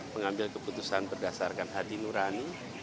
pengambil keputusan berdasarkan hati nurani